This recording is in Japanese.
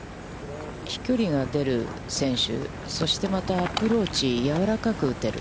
飛距離が出る選手、そしてまた、アプローチ、やわらかく打てる。